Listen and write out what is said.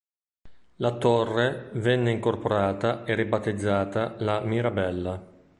La torre venne incorporata e ribattezzata "La Mirabella".